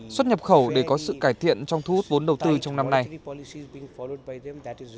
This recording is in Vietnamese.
xuất nhập khẩu để có sự cải thiện trong kinh tế